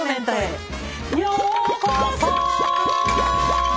「ようこそ」